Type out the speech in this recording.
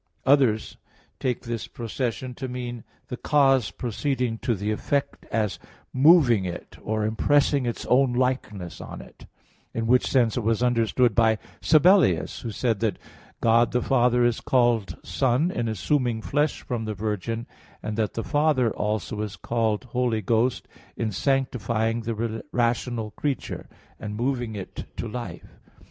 Others take this procession to mean the cause proceeding to the effect, as moving it, or impressing its own likeness on it; in which sense it was understood by Sabellius, who said that God the Father is called Son in assuming flesh from the Virgin, and that the Father also is called Holy Ghost in sanctifying the rational creature, and moving it to life.